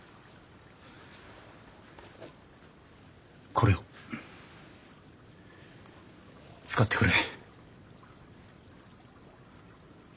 これを使ってくれ。